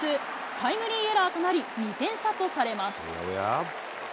タイムリーエラーとなり２点差とされます。